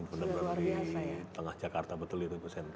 benar benar di tengah jakarta betul itu bu